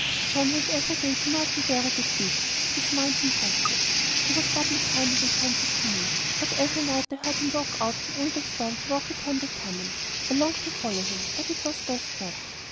John went every day to Norton Bury that week. His mind seemed restless he was doubly kind and attentive to me; but every night I heard him go out in all the storm to walk upon the common. I longed to follow him, but it was best not.